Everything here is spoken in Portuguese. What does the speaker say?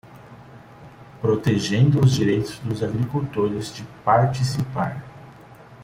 Protegendo os direitos dos agricultores de participar